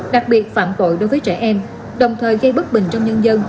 đặc biệt phạm tội đối với trẻ em đồng thời gây bất bình trong nhân dân